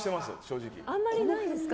あんまりないですか？